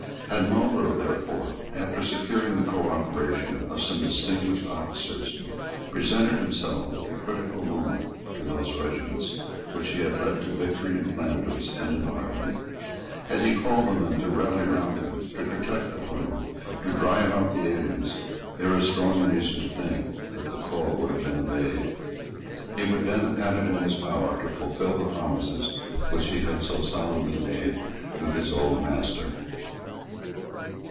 Had Marlborough therefore, after securing the cooperation of some distinguished officers, presented himself at the critical moment to those regiments which he had led to victory in Flanders and in Ireland, had he called on them to rally round him, to protect the Parliament, and to drive out the aliens, there is strong reason to think that the call would have been obeyed. He would then have had it in his power to fulfil the promises which he had so solemnly made to his old master.